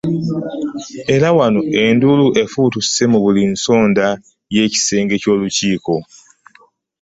Era wano enduulu efubutuse mu buli nsonda y'ekisenge ky'olukiiko.